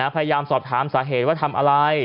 พยายามสอบถามสาเหตุว่าทำอะไร